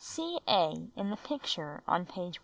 See "A" in the picture on page 109.